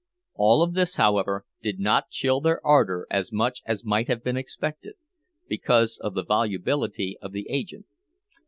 All of this, however, did not chill their ardor as much as might have been expected, because of the volubility of the agent.